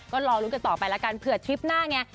ก็รอรุ่นกันต่อไปละกันเผื่อทริปหน้าเนี่ย